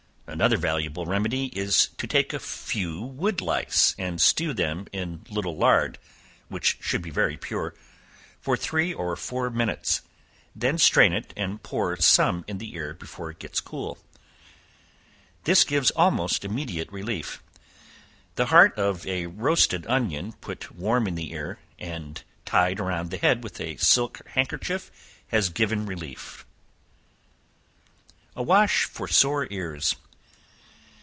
Another valuable remedy is to take a few wood lice, and stew them in a little lard, (which should be very pure,) for three or four minutes; then strain it and pour some in the ear before it gets cool. This gives almost immediate relief. The heart of a roasted onion put warm in the ear, and tie around the head a silk handkerchief, has given relief. A Wash for Sore Ears.